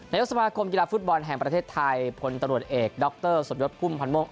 นายกสมาคมกีฬาฟุตบอลแห่งประเทศไทยพลตรวจเอกดรสมยศพุ่มพันธ์ม่วง